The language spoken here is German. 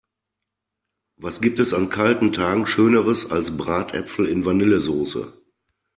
Was gibt es an kalten Tagen schöneres als Bratäpfel in Vanillesoße!